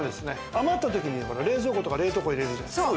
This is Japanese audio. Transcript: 余った時に冷蔵庫とか冷凍庫入れるじゃないですか。